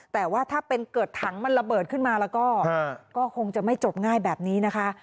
แต่ว่าถ้าเป็นเกิดถังมันระเบิดขึ้นมาแล้วก็คงจะไม่จบง่ายแบบนี้นะคะ